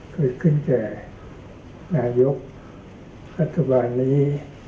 คือขึ้นแจ่นายยกรัฐบาลนี้